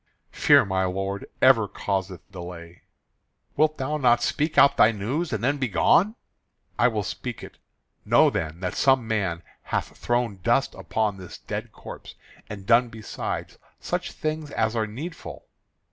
"Fear, my lord, ever causeth delay." "Wilt thou not speak out thy news and then begone?" "I will speak it. Know then that some man hath thrown dust upon this dead corpse, and done besides such things as are needful."